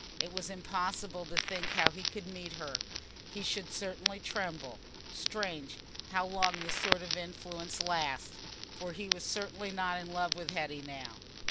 It was impossible to think how he could meet her: he should certainly tremble. Strange, how long this sort of influence lasts, for he was certainly not in love with Hetty now.